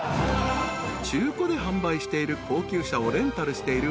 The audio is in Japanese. ［中古で販売している高級車をレンタルしている］